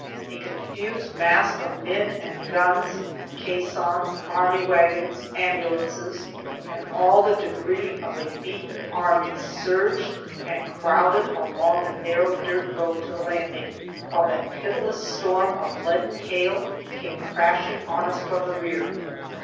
A confused mass of men and guns, caissons, army wagons, ambulances, and all the debris of a beaten army surged and crowded along the narrow dirt road to the landing, while that pitiless storm of leaden hail came crashing on us from the rear.